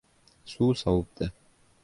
Suv sovibdi.